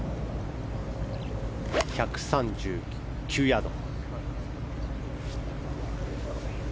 １３９ヤード。